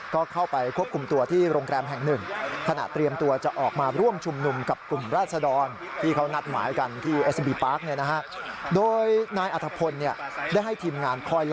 ก็เข้าไปควบคุมตัวที่โรงแรมแห่งหนึ่ง